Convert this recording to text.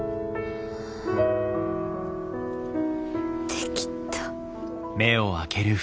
できた。